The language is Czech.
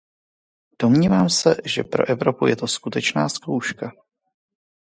Domnívám se, že pro Evropu je to skutečná zkouška.